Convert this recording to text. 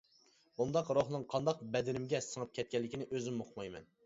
بۇنداق روھنىڭ قانداق بەدىنىمگە سىڭىپ كەتكەنلىكىنى ئۆزۈممۇ ئۇقمايمەن!